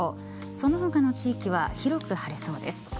その他の地域は広く晴れそうです。